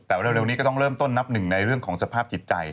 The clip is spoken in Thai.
แต่เร็วนี้ก็ต้องเริ่มต้นนับหนึ่งในเรื่องของสภาพจิตใจ